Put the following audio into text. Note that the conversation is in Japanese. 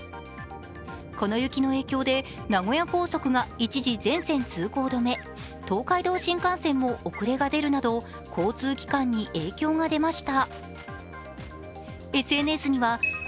この雪の影響で名古屋高速が一時全線通行止め、東海道新幹線も遅れが出るなど、交通機関に影響が出ました。